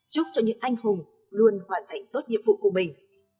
chúc cho những anh hùng luôn hoàn thành tốt nhiệm vụ của mình